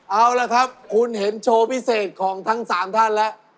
เอาละครับคุณเห็นโชว์พิเศษของทั้ง๓ท่านแล้ว